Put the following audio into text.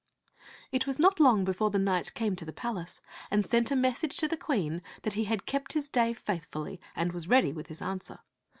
It was not long before the knight came to the palace, and sent a message to the Queen that he had kept his day faithfully and was ready with his answer.